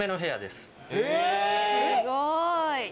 すごい！